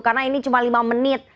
karena ini cuma lima menit